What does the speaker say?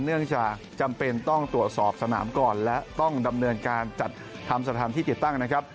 เนื่องจากจำเป็นต้องตรวจสอบสนามก่อนและต้องดำเนินการจัดทำสถานที่ติดตั้งนะครับ